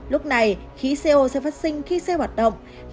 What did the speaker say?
lúc này khí co sẽ phát sinh khi xe hoạt động